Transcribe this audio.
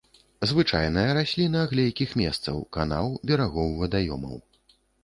Звычайная расліна глейкіх месцаў, канаў, берагоў вадаёмаў.